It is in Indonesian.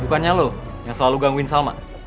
bukannya loh yang selalu gangguin salma